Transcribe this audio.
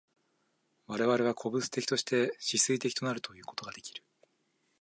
我々は個物的として思惟的となるということができる。